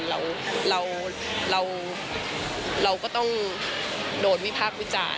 เราก็ต้องโดนวิพากษ์วิจารณ์